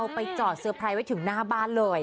ไปจอดเซอร์ไพรส์ไว้ถึงหน้าบ้านเลย